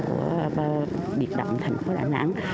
của việt động thành phố đà nẵng